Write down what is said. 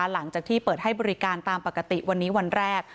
หลังจากที่เปิดให้บริการตามปกติวันนี้วันแรก